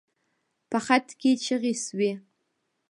په خط کې چيغې شوې.